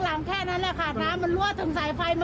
สวยชีวิตทั้งคู่ก็ออกมาไม่ได้อีกเลยครับ